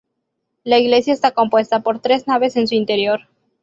La iglesia está compuesta por tres naves en su interior.